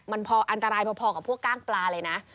มันพออันตรายพอกับพวกกล้างปลาเลยนะ